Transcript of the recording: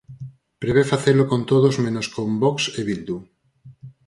Prevé facelo con todos menos con Vox e Bildu.